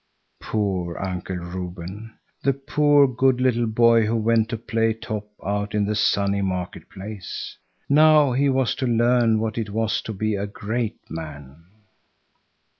Poor Uncle Reuben! The poor, good little boy who went to play top out in the sunny market place! Now he was to learn what it was to be a great man.